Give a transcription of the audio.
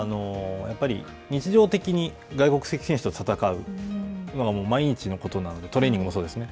やっぱり日常的に外国選手と戦うというのが毎日のことなので、トレーニングもそうですね。